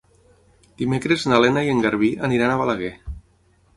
Dimecres na Lena i en Garbí aniran a Balaguer.